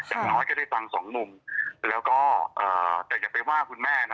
อย่างน้อยก็ได้ฟังสองหนุ่มแล้วก็แต่อย่าไปว่าคุณแม่นะ